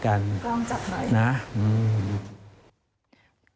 กล้องจัดหน่อย